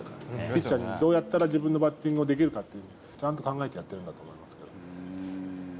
ピッチャーにどうやったら自分のバッティングをできるか、ちゃんと考えてやってるんだと思いますけど。